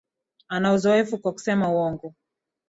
Ana uzoefu kwa kusema uongo